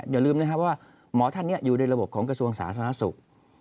อย่าลืมนะครับว่าหมอท่านนี้อยู่ในระบบของกระทรวงสาธารณสุข